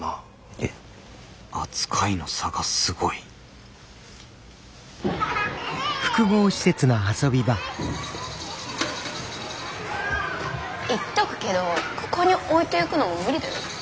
えっ？扱いの差がすごい言っとくけどここに置いていくのも無理だよ。